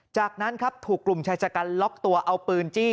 จากนั้นครับถูกกลุ่มชายชะกันล็อกตัวเอาปืนจี้